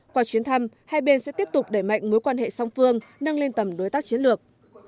qua chuyến thăm hai bên sẽ tiếp tục đẩy mạnh mối quan hệ song phương nâng lên tầm đối tác chiến lược